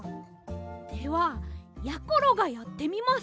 ではやころがやってみます！